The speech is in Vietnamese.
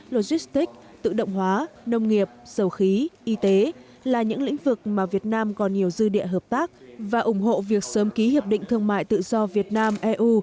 logistics tự động hóa nông nghiệp dầu khí y tế là những lĩnh vực mà việt nam còn nhiều dư địa hợp tác và ủng hộ việc sớm ký hiệp định thương mại tự do việt nam eu